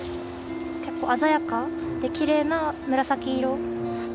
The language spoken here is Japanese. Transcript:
結構鮮やかできれいな紫色。